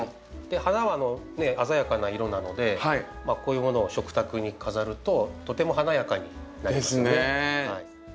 花はね鮮やかな色なのでこういうものを食卓に飾るととても華やかになりますね。ですね！